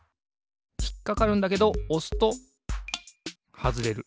ひっかかるんだけどおすとはずれる。